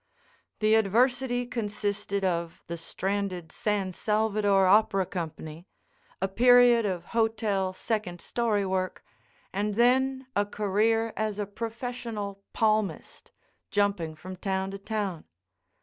The adversity consisted of the stranded San Salvador Opera Company, a period of hotel second story work, and then a career as a professional palmist, jumping from town to town.